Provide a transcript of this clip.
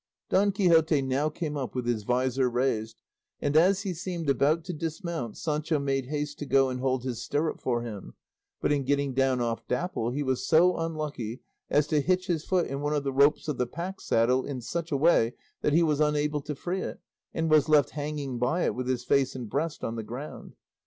Don Quixote now came up with his visor raised, and as he seemed about to dismount Sancho made haste to go and hold his stirrup for him; but in getting down off Dapple he was so unlucky as to hitch his foot in one of the ropes of the pack saddle in such a way that he was unable to free it, and was left hanging by it with his face and breast on the ground.